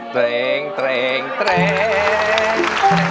เตรงเตรงเตรง